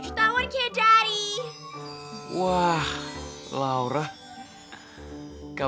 aku tuh baru mau pulang kalo